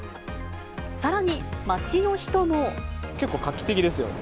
さらに、結構、画期的ですよね。